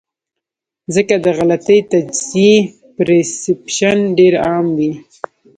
ځکه د غلطې تجزئې پرسپشن ډېر عام وي -